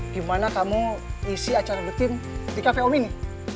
gimana kamu isi acara betim di kv om ini